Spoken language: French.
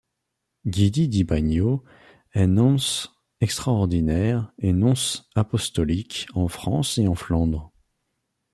Guidi di Bagno est nonce extraordinaire et nonce apostolique en France et en Flandre.